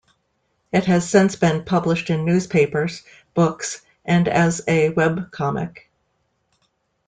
It has since been published in newspapers, books, and as a webcomic.